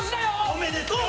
おめでとう！